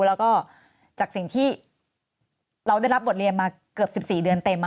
แล้วก็จากสิ่งที่เราได้รับบทเรียนมาเกือบ๑๔เดือนเต็ม